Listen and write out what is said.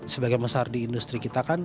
sebagai masyarakat di industri kita kan